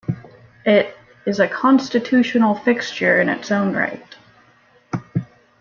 It "is a constitutional fixture in its own right".